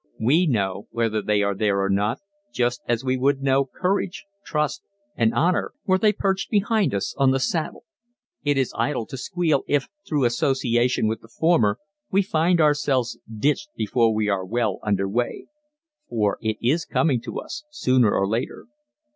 We know whether they are there or not just as we would know Courage, Trust and Honor were they perched behind us on the saddle. It is idle to squeal if through association with the former we find ourselves ditched before we are well under way for it is coming to us, sooner or later.